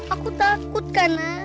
aku takut karena